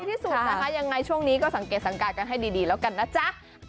ที่สุดนะคะยังไงช่วงนี้ก็สังเกตสังการกันให้ดีแล้วกันนะจ๊ะ